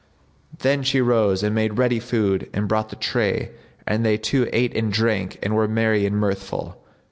'" Then she rose and made ready food and brought the tray, and they two ate and drank and were merry and mirthful.